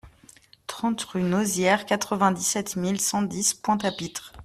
trente rue Nozières, quatre-vingt-dix-sept mille cent dix Pointe-à-Pitre